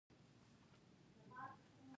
اخښی، يعني د خور مېړه.